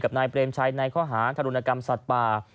กับนายเปรมชัยในข้อหาธุรนกรรมศาสตร์ป่า